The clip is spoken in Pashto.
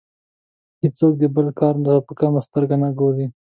هیڅوک دې خپل کار ته په کمه سترګه نه ګوري.